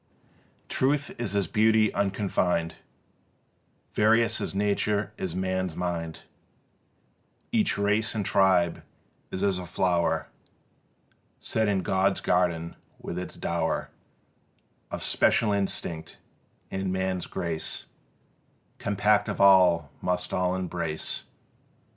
Truth is as Beauty unconfined: Various as Nature is man's Mind: Each race and tribe is as a flower Set in God's garden with its dower Of special instinct; and man's grace Compact of all must all embrace.